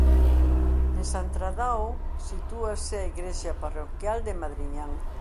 En Santradao sitúase a igrexa parroquial de Madriñán.